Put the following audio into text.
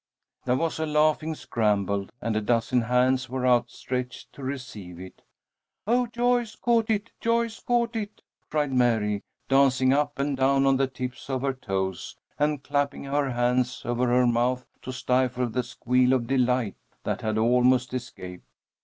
There was a laughing scramble and a dozen hands were outstretched to receive it. "Oh, Joyce caught it! Joyce caught it!" cried Mary, dancing up and down on the tips of her toes, and clapping her hands over her mouth to stifle the squeal of delight that had almost escaped.